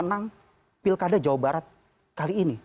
menang pilkada jawa barat kali ini